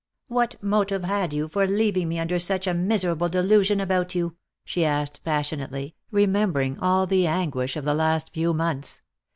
" What motive had you for leaving me under such a miserable delusion about you?" she asked passionately, remembering all the anguish of the last few months.